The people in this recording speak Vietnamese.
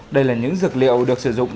đây là những dược liệu được sử dụng